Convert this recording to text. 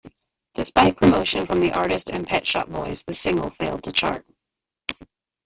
Despite promotion from the artist and Pet Shop Boys, the single failed to chart.